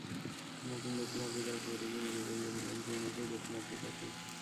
নতুন দক্ষিণ আফ্রিকার প্রতীকই মনে করিয়ে দিলেন পুরোনো সেই দক্ষিণ আফ্রিকাকে।